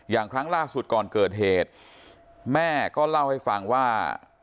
ครั้งล่าสุดก่อนเกิดเหตุแม่ก็เล่าให้ฟังว่า